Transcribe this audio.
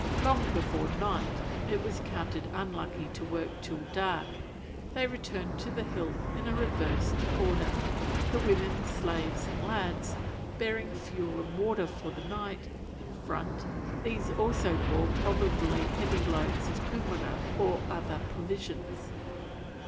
Long before night (it was counted unlucky to work till dark) they returned to the hill in a reversed order; the women, slaves, and lads, bearing fuel and water for the night, in front: these also bore probably heavy loads of kumera or other provisions.